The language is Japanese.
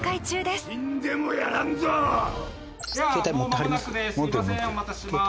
すいませんお待たせします